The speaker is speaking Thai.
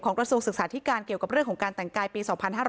กระทรวงศึกษาธิการเกี่ยวกับเรื่องของการแต่งกายปี๒๕๕๙